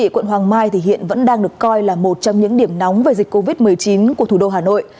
quận hoàng mai thì hiện vẫn đang được coi là một trong những điểm nóng về dịch covid một mươi chín của thủ đô hà nội